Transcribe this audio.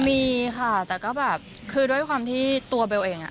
มีค่ะแต่ก็แบบคือด้วยความที่ตัวเบลเองอ่ะ